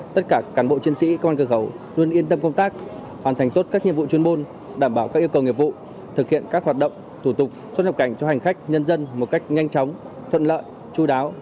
tất cả cán bộ chiến sĩ công an cửa khẩu luôn yên tâm công tác hoàn thành tốt các nhiệm vụ chuyên môn đảm bảo các yêu cầu nghiệp vụ thực hiện các hoạt động thủ tục xuất nhập cảnh cho hành khách nhân dân một cách nhanh chóng thuận lợi chú đáo